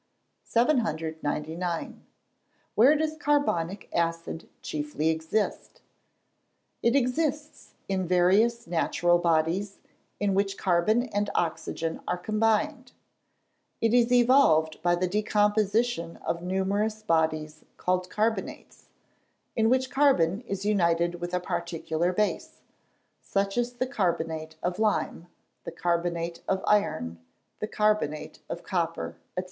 "] 799. Where does carbonic acid chiefly exist? It exists in various natural bodies in which carbon and oxygen are combined; it is evolved by the decomposition of numerous bodies called carbonates, in which carbon is united with a particular base, such as the carbonate of lime, the carbonate of iron, the carbonate of copper, &c.